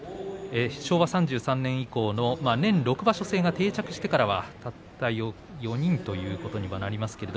昭和３３年以降の年６場所制が定着してからはたった４人ということになります。